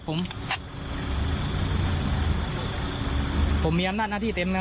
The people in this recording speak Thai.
คุณผู้ชมไปฟังเสียงพร้อมกัน